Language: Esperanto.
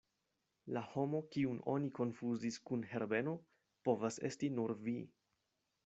La homo, kiun oni konfuzis kun Herbeno povas esti nur vi.